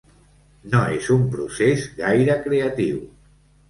No és un procés gaire creatiu.